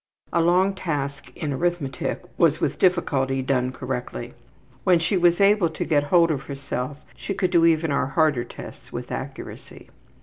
A long task in arithmetic was with difficulty done correctly. When she was able to get hold of herself she could do even our harder tests with accuracy.